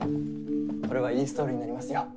これはいいストーリーになりますよ。